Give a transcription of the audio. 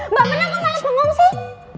mbak bener aku malah bengong sih